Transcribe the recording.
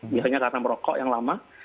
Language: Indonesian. biasanya karena merokok yang lama